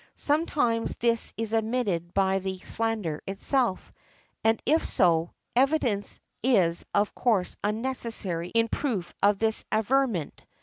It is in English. Sometimes this is admitted by the slander itself, and if so, evidence is of course unnecessary in proof of this averment.